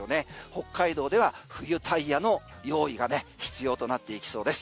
北海道では冬タイヤの用意が必要となっていきそうです。